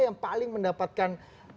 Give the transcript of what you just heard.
yang paling mendapatkan